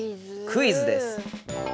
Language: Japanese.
「クイズ」です。